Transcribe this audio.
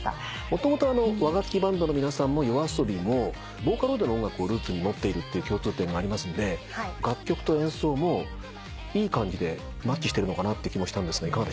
もともと和楽器バンドの皆さんもＹＯＡＳＯＢＩもボーカロイドの音楽をルーツに持っているという共通点がありますんで楽曲と演奏もいい感じでマッチしてるのかなって気もしたんですがいかがでした？